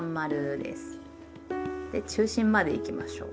で中心までいきましょう。